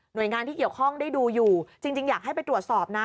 โดยงานที่เกี่ยวข้องได้ดูอยู่จริงอยากให้ไปตรวจสอบนะ